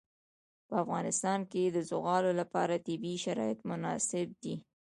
په افغانستان کې د زغال لپاره طبیعي شرایط مناسب دي.